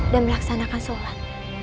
dan melaksanakan sholat